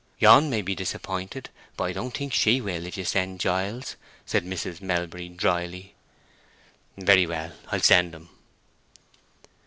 "You may be disappointed, but I don't think she will, if you send Giles," said Mrs. Melbury, dryly. "Very well—I'll send him."